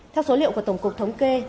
theo số liệu của tổng cục thống kê